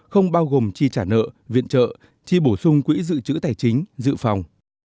không bao gồm chi trả nợ viện trợ chi bổ sung quỹ dự trữ tài chính dự phòng